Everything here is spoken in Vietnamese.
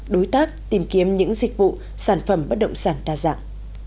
đối tác tìm kiếm những dịch vụ sản phẩm bất động sản đa dạng